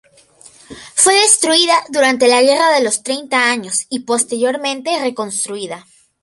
Fue destruida durante la Guerra de los Treinta Años y posteriormente reconstruida.